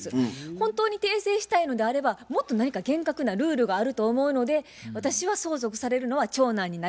本当に訂正したいのであればもっと何か厳格なルールがあると思うので私は相続されるのは長男になると思います。